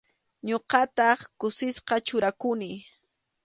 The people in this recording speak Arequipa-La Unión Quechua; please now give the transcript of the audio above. Ñuqataq kusisqa churakuni.